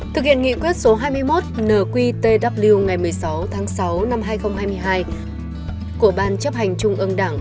thực hiện nghị quyết số hai mươi một nqtw ngày một mươi sáu tháng sáu năm hai nghìn hai mươi hai của ban chấp hợp